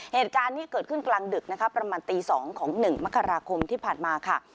เหตุการณ์นี้เกิดขึ้นกลางดึกนะคะประมาณตี๒ของ๑มกราคมที่ผ่านมาค่ะ